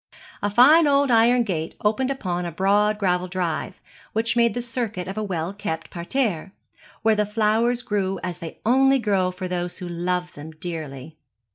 A fine old iron gate opened upon a broad gravel drive, which made the circuit of a well kept parterre, where the flowers grew as they only grow for those who love them dearly.